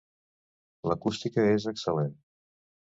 L'acústica és excel·lent.